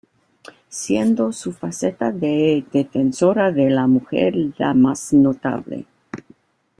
Siendo su faceta de defensora de la mujer la más notable.